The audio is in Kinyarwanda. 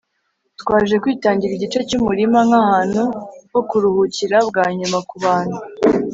Twaje kwitangira igice cyumurima nkahantu ho kuruhukira bwa nyuma kubantu